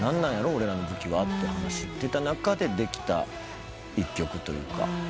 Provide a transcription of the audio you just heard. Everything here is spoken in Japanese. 俺らの武器は」って話してた中でできた一曲というか。